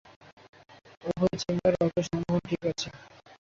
উভয় চেম্বারে রক্ত সংবহন ঠিক আছে।